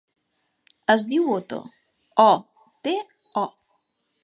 Es diu Oto: o, te, o.